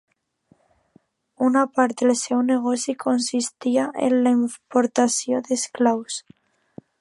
Una part del seu negoci consistia en la importació d'esclaus.